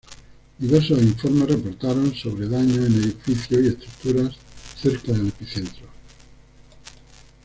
Diversos informes reportaron sobre daños en edificios y estructuras cerca del epicentro.